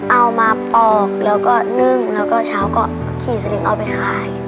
เอามาปอกแล้วก็นึ่งแล้วก็เช้าก็ขี่สลิงเอาไปขาย